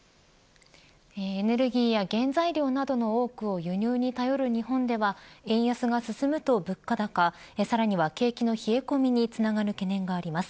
エネルギーや原材料などの多くを輸入に頼る日本では円安が進むと物価高さらには景気の冷え込みにつながる懸念があります。